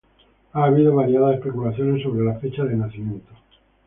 Ha habido variadas especulaciones sobre la fecha de nacimiento.